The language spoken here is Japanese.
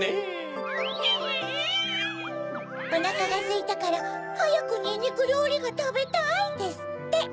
「おなかがすいたからはやくにんにくりょうりがたべたい」ですって。